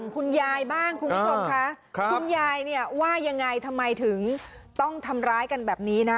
คุณยายเนี่ยว่ายังไงทำไมถึงต้องทำร้ายกันแบบนี้นะ